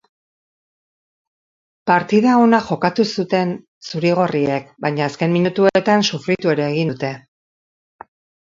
Partida ona jokatu dute zuri-gorriek, baina azken minutuetan sofritu ere egin dute.